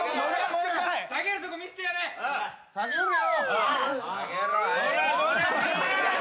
下げるよ。